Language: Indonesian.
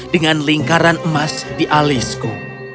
dengan lingkaran emas di alisku